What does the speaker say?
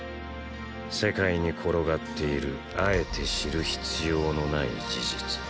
世界に転がっているあえて知る必要のない事実。